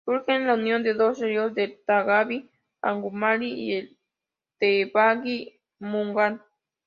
Surge de la unión de dos ríos: el Tagab-i-Anjuman y el Tagab-i-Munjan.